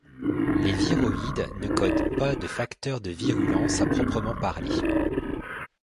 Les viroïdes ne codent pas de facteurs de virulence à proprement parler.